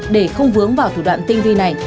để không vướng vào thủ đoạn tinh vi này